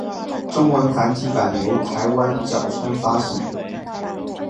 中文繁体版由台湾角川发行。